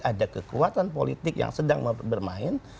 ada kekuatan politik yang sedang bermain